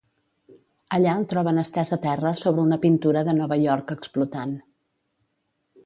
Allà el troben estés a terra sobre una pintura de Nova York explotant.